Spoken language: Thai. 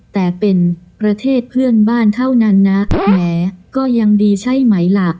แต่เป็นประเทศเพื่อนบ้านเท่านั้นนะแหมก็ยังดีใช่ไหมล่ะ